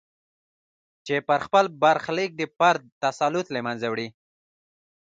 چې پر خپل برخلیک د فرد تسلط له منځه وړي.